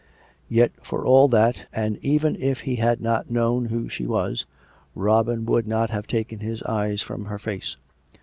Yet for all that, and even if he had not known who she was, Robin could not have taken his eyes from her face.